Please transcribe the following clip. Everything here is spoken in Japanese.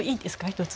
一つ。